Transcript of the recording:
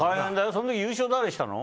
その時、優勝は誰がしたの？